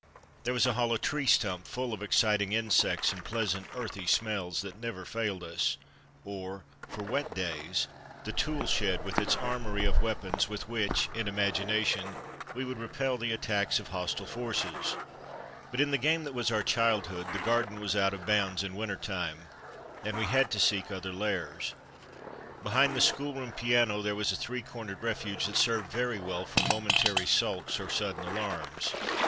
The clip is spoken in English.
There was a hollow tree stump full of exciting insects and pleasant earthy smells that never failed us, or, for wet days, the tool shed, with its armoury of weapons with which, in imagination, we would repel the attacks of hostile forces. But in the game that was our childhood, the garden was out of bounds in winter time, and we had to seek other 2 l .. 2 :. THE DAY BEFORE YESTERDAY lairs. Behind the schoolroom piano there was a three cornered refuge that served very well for momentary sulks or sudden alarms.